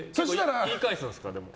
言い返すんですか？